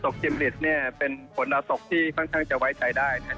กิมลิตเนี่ยเป็นฝนดาวตกที่ค่อนข้างจะไว้ใจได้นะครับ